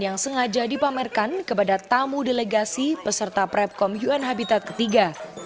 yang sengaja dipamerkan kepada tamu delegasi peserta prepkom un habitat ketiga